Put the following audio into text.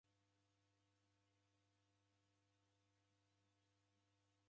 Kuneke maghesho gha w'ambedu ishima.